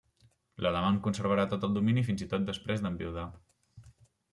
La dama en conservarà el domini fins i tot després d'enviudar.